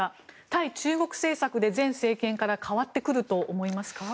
対中国政策で前政権から変わってくると思いますか？